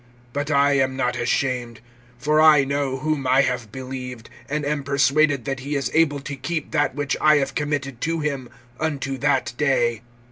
But I am not ashamed; for I know whom I have believed, and am persuaded that he is able to keep that which I have committed to him, unto that day.